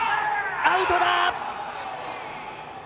アウトだ。